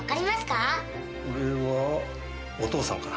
これはお父さんかな？